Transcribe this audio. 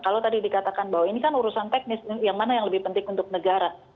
kalau tadi dikatakan bahwa ini kan urusan teknis yang mana yang lebih penting untuk negara